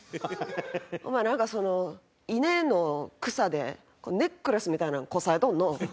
お前なんかその稲の草でネックレスみたいなんこさえとんのう。